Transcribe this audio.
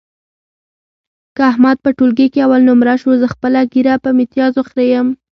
که احمد په ټولګي کې اول نمره شو، زه خپله ږیره په میتیازو خرېیم.